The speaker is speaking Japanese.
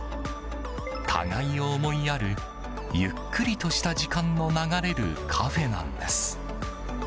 互いを思いやる、ゆっくりとした時間の流れるカフェなんです。